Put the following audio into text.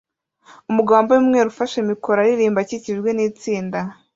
Umugabo wambaye umweru ufashe mikoro aririmba akikijwe nitsinda